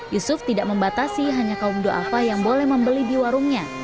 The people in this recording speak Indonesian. yusuf tidak membatasi hanya kaum do'a yang boleh membeli di warungnya